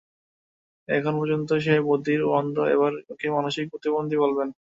এখন পর্যন্ত সে বধির ও অন্ধ এবার ওকে মানসিক প্রতিবন্ধীও বলবেন।